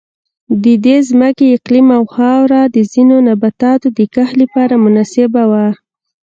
د دې ځمکې اقلیم او خاوره د ځینو نباتاتو د کښت لپاره مناسبه وه.